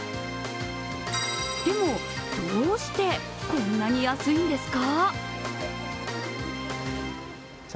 でも、どうしてこんなに安いんですか？